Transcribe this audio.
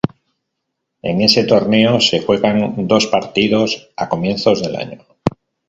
En ese torneo se juegan dos partidos a comienzos del año.